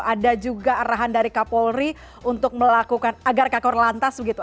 ada juga arahan dari kapolri untuk melakukan agar kakor lantas begitu